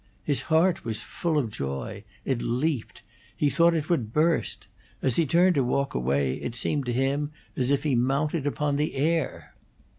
His heart was full of joy; it leaped; he thought it would burst. As he turned to walk away it seemed to him as if he mounted upon the air.